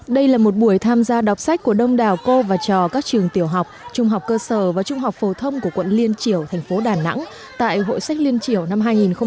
đây là một buổi tham gia đọc sách của đông đảo cô và trò các trường tiểu học trung học cơ sở và trung học phổ thông của quận liên triểu thành phố đà nẵng tại hội sách liên triểu năm hai nghìn một mươi chín